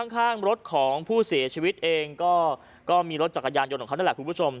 ข้างรถของผู้เสียชีวิตเองก็มีรถจักรยานยนต์ของเขานั่นแหละคุณผู้ชม